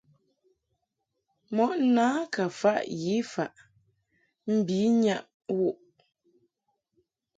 Mɔʼ na ka faʼ yi faʼ mbi nyaʼ wu ;g.